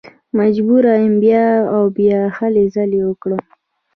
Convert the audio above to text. مجبوره یم بیا او بیا هلې ځلې وکړم.